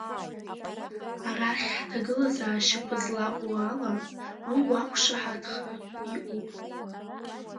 Арахь ҳҭагылазаашьақәа злаҟоу ала, уи уақәшаҳаҭхартә иҟоуп.